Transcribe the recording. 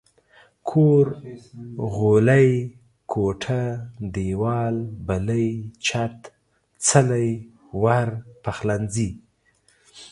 کور ، غولی، کوټه، ديوال، بلۍ، چت، څلی، ور، پخلنځي